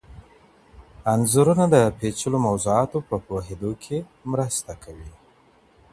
انځورونه د پیچلو موضوعاتو په پوهیدو کي مرسته کوي.